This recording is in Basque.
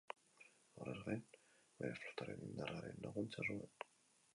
Horrez gain, bere flotaren indarraren laguntza zuen.